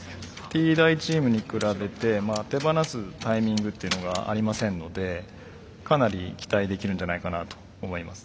Ｔ大チームに比べて手放すタイミングっていうのがありませんのでかなり期待できるんじゃないかなと思います。